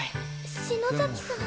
篠崎さん。